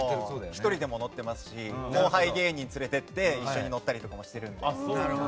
１人でも乗ってますし後輩芸人連れてって一緒に乗ったりとかもしてるので。